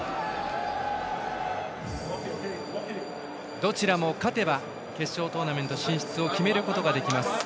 どちらも勝てば決勝トーナメント進出を決めることができます。